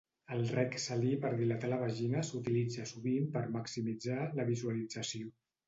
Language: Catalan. El rec salí per dilatar la vagina s'utilitza sovint per maximitzar la visualització.